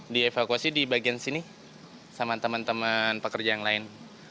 dievakuasi di bagian sini sama teman teman pekerja yang lain